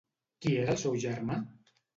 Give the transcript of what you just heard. Qui era el seu germà?